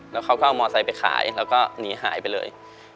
แล้วเขาก็เอามอไซค์ไปขายแล้วก็หนีหายไปเลย